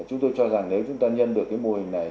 chúng tôi cho rằng nếu chúng ta nhân được cái mô hình này